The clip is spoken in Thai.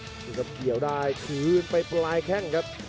ในวันนี้ที่จะเกี่ยวได้คืนไปปลายแค่งครับ